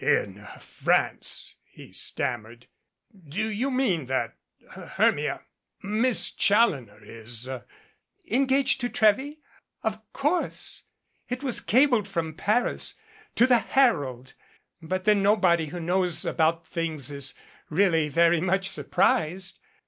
"In France," he stammered. "Do you mean that Hermia Miss Challoner is " "Engaged to Trewy? Of course. It was cabled 270 THE WINGS OF THE BUTTERFLY from Paris to the Herald. But then nobody who knows about things is really very much surprised.